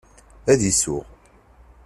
Ad isuɣ.